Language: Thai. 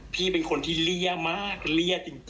พี่เป็นคนที่เลี่ยมากเลี่ยจริง